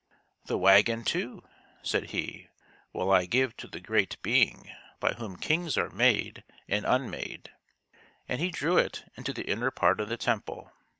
" The wagon, too," said he, " will I give to the great Being by whom kings are made and un made ;" and he drew it into the inner part of the temple.